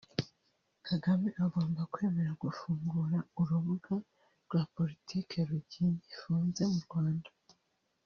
Kagame agomba kwemera gufungura urubuga rwa politique rugifunze mu Rwanda